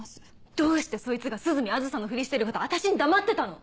どうしてそいつが涼見梓のふりしてること私に黙ってたの？